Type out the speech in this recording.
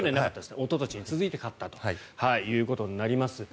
おととしに続いて勝ったということになります。